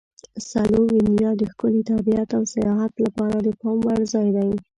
سلووینیا د ښکلي طبیعت او سیاحت لپاره د پام وړ ځای دی.